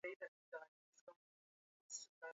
katika ufalme huo wenye utajiri wa mafuta